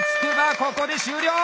ここで終了！